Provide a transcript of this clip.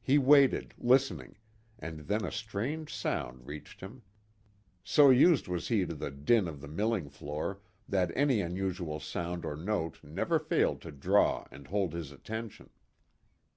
He waited listening, and then a strange sound reached him. So used was he to the din of the milling floor that any unusual sound or note never failed to draw and hold his attention.